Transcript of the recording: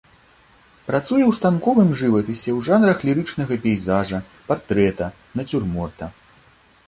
Працуе ў станковым жывапісе ў жанрах лірычнага пейзажа, партрэта, нацюрморта.